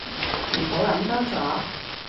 唔好諗多咗